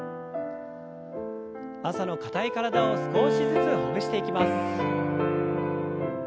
朝の硬い体を少しずつほぐしていきます。